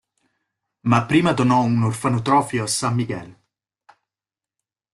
Ma prima donò un orfanotrofio a San Miguel.